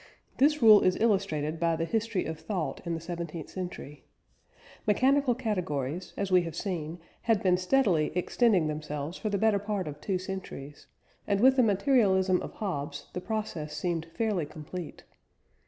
This rule is illustrated by the history of thought in the seventeenth century. Mechanical categories, as we have seen, had been steadily extending themselves for the better part of two centuries, and with the materialism of Hobbes the process seemed fairly complete.